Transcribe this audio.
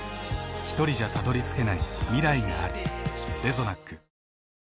ひとりじゃたどりつけない未来がある。